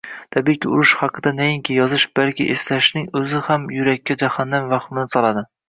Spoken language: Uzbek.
Tabiiyki, urush haqida nainki yozish, balki eslashning o‘zi ham yurakka jahannam vahmini soladi